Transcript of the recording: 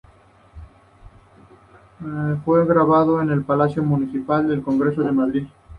Fue grabado en el Palacio Municipal de Congresos de Madrid.